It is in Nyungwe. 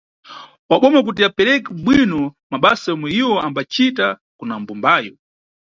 Wa boma kuti apereke bwino mabasa yomwe iwo ambacita kuna mbumbayo.